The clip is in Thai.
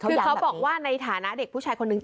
คือเขาบอกว่าในฐานะเด็กผู้ชายคนนึง